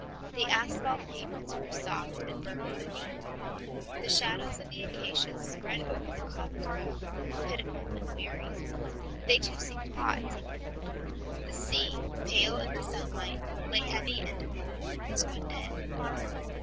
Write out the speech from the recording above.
The asphalt pavements grew soft and burned the feet. The shadows of the acacias spread over the cobbled road, pitiful and weary. They too seemed hot. The sea, pale in the sunlight, lay heavy and immobile as one dead.